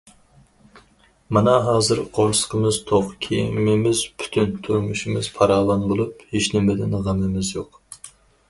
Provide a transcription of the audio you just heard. مانا ھازىر قورسىقىمىز توق، كىيىمىمىز پۈتۈن، تۇرمۇشىمىز پاراۋان بولۇپ، ھېچنېمىدىن غېمىمىز يوق.